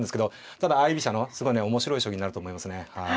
ただ相居飛車のすごいね面白い将棋になると思いますねはい。